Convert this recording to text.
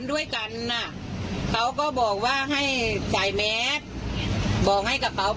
อืม